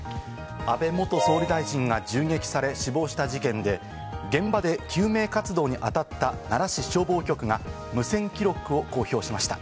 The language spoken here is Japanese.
安倍元総理大臣が銃撃され死亡した事件で、現場で救命活動にあたった奈良市消防局が無線記録を公表しました。